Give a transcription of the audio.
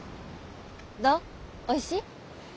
おいしい？